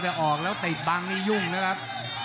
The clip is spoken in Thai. แต่ออกแล้วติดบังนี่ยุ่งนะครับ